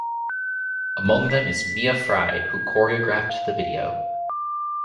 Among them is Mia Frye, who choreographed the video.